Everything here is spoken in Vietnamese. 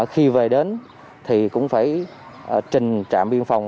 khi về đến thì cũng phải trình trạm biên phòng